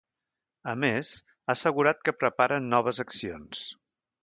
A més, ha assegurat que preparen noves accions.